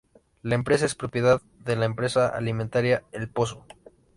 La empresa es propiedad de la empresa alimentaria ElPozo.